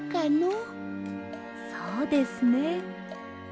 そうですね。